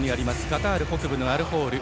カタール北部のアルホール。